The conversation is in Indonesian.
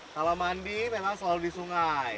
kalau mandi memang selalu di sungai